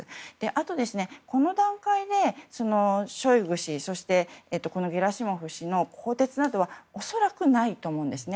あと、この段階でショイグ氏そしてゲラシモフ氏の更迭などは恐らくないと思うんですね。